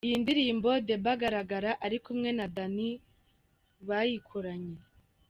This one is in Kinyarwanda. Iyi ndirimbo Debby agaragara ari kumwe na Danny bayikoranye.